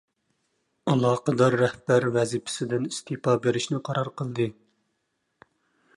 ئالاقىدار رەھبەر ۋەزىپىسىدىن ئىستېپا بېرىشنى قارار قىلدى.